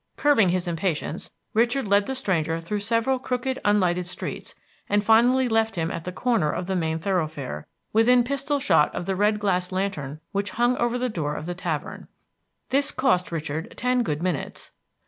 Curbing his impatience, Richard led the stranger through several crooked, unlighted streets, and finally left him at the corner of the main thoroughfare, within pistol shot of the red glass lantern which hung over the door of the tavern. This cost Richard ten good minutes.